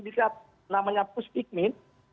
bisnis namanya pusikmin